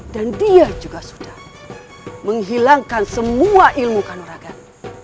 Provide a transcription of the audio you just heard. dan dia juga sudah menghilangkan semua ilmu kanuragan